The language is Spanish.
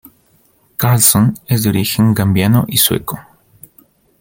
Karlsson es de origen gambiano y sueco.